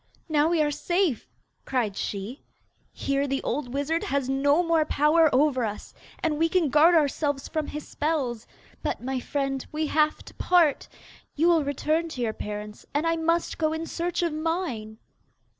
'Now we are safe,' cried she. 'Here the old wizard has no more power over us, and we can guard ourselves from his spells. But, my friend, we have to part! You will return to your parents, and I must go in search of mine.